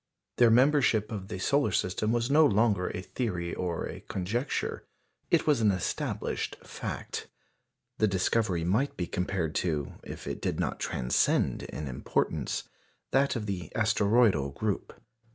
Their membership of the solar system was no longer a theory or a conjecture it was an established fact. The discovery might be compared to, if it did not transcend in importance, that of the asteroidal group.